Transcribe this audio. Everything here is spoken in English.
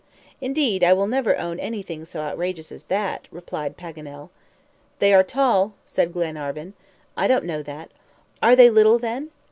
"Indeed, I will never own anything so outrageous as that," replied Paganel. "They are tall," said Glenarvan. "I don't know that." "Are they little, then?"